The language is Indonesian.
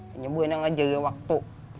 hanya mereka mengajari waktu